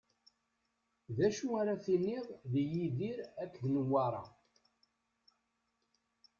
D acu ara tiniḍ di Yidir akked Newwara?